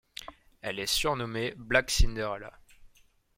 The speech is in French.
Elle est surnommée Black Cinderella.